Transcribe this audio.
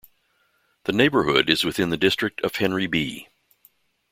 The neighborhood is within the district of Henry B.